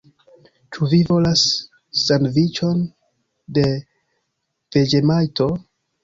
Ĉu vi volas sandviĉon de veĝemajto?